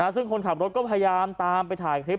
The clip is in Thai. ซึ่งคนขับรถก็พยายามตามไปถ่ายคลิป